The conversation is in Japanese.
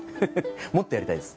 もっとやりたいです。